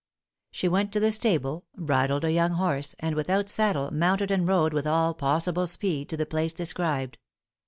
She went to the stable, bridled a young horse, and without saddle, mounted and rode with all possible speed to the place described.